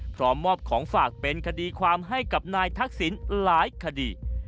พร้อมมอบของฝากเป็นคดีความให้กับนายทักษิณหลายคดี